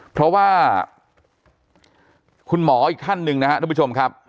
เพราะว่าคุณหมออีกท่านหนึ่งนะครับทุกผู้ชมครับ